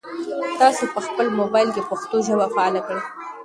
تاسو په خپل موبایل کې پښتو ژبه فعاله کړئ.